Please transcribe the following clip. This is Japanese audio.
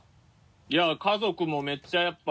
いや家族もめっちゃやっぱ。